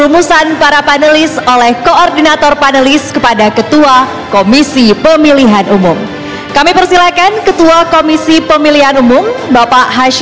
dan akan dipandu oleh moderator